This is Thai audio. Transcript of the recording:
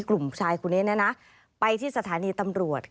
กลุ่มชายคนนี้นะไปที่สถานีตำรวจ